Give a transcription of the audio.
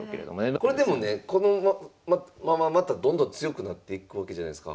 これでもねこのまままたどんどん強くなっていくわけじゃないすか。